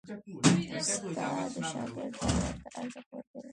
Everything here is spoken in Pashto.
استاد د شاګرد باور ته ارزښت ورکوي.